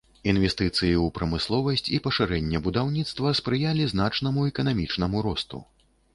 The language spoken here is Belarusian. Інвестыцыі ў прамысловасць і пашырэнне будаўніцтва спрыялі значнаму эканамічнаму росту.